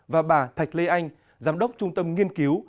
và bà thạch lê anh giám đốc trung tâm nghiên cứu